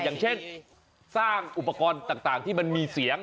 อย่างเช่นสร้างอุปกรณ์ต่างที่มันมีเสียง